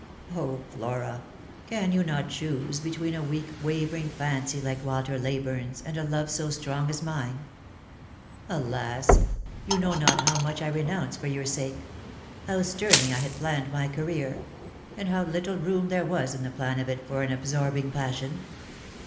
O, Flora, can you not choose between a weak wavering fancy like Walter Leyburne's and a love so strong as mine ? Alas, you know not how much 1 renounce for your sake, how sternly I had planned my career, and how little room there was in the plan of it for an absorb ing passion.